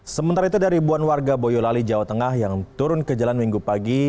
sementara itu dari buan warga boyolali jawa tengah yang turun ke jalan minggu pagi